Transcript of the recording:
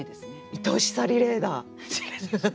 いとしさリレーだ！